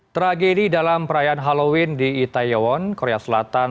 tragedi dalam perayaan halloween di itaewon korea selatan